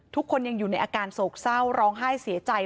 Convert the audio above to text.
ทุกคนยังอยู่ในอาการโศกเศร้าร้องไห้เสียใจ